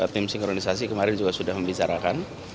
tim sinkronisasi kemarin juga sudah membicarakan